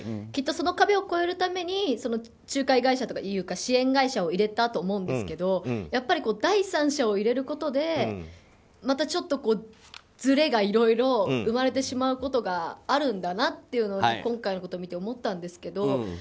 きっとその壁を超えるために仲介会社とか支援会社を入れたと思うんですけど第三者を入れることでまたちょっと、ずれがいろいろ生まれてしまうことがあるんだなというのを今回のことを見て思ったんですけど。